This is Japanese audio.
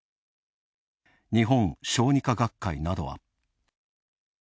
日本小児科学会などは。